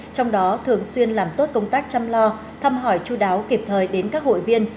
trong đó thường xuyên làm tốt công tác chăm lo thăm hỏi chú đáo kịp thời đến các hội viên